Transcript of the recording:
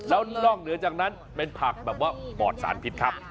แล้วนอกเหนือจากนั้นเป็นผักแบบว่าปอดสารพิษครับ